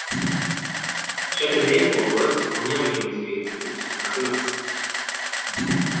Chaque année elle propose, en lien avec la musique électronique, un thème artistique.